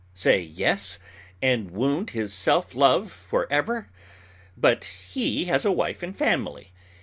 Say yes, and wound his self love forever? But he has a wife and family.